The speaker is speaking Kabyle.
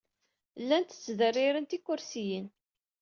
Llant ttderrirent ikersiyen.